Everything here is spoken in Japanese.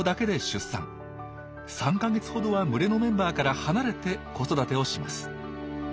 ３か月ほどは群れのメンバーから離れて子育てをします。